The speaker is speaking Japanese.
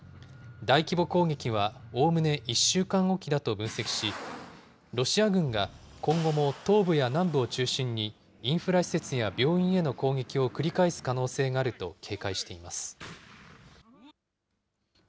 大規模攻撃はおおむね１週間置きだと分析し、ロシア軍が今後も東部や南部を中心にインフラ施設や病院への攻撃を繰り返す可能性があると警戒しています。